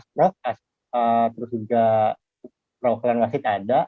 terus juga pro prolengasit ada